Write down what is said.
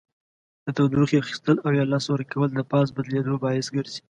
د تودوخې اخیستل او یا له لاسه ورکول د فاز بدلیدو باعث ګرځي.